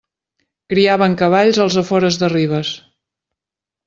Criaven cavalls als afores de Ribes.